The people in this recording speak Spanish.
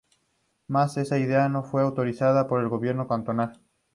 Mas esa idea no fue autorizada por el gobierno cantonal.